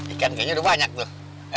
ikan kayaknya udah banyak loh